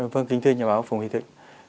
vâng kính thưa nhà báo phùng huy thịnh